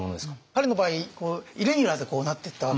彼の場合イレギュラーでこうなってったわけですよね。